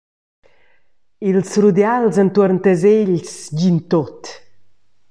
Ils rudials entuorn tes egls dian tut.